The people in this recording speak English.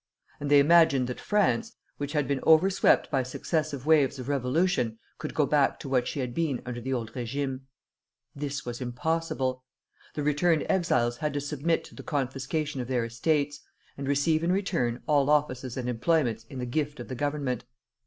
And they imagined that France, which had been overswept by successive waves of revolution, could go back to what she had been under the old régime. This was impossible. The returned exiles had to submit to the confiscation of their estates, and receive in return all offices and employments in the gift of the Government.